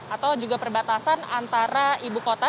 atau juga perbatasan antara ibu kota